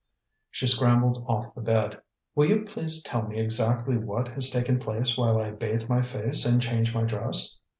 She scrambled off the bed. "Will you please tell me exactly what has taken place while I bathe my face and change my dress?"